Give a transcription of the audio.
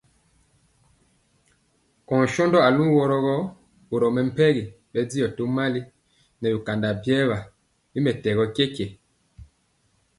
Kɔɔ shondɔ aluworo gɔ, boro mɛmpegi bɛndiɔ tomali nɛ bikanda biwa y mɛtɛgɔ tyetye.